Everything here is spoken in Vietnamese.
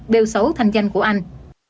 bêu xấu thanh danh của anh